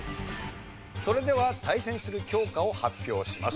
それでは対戦する教科を発表します。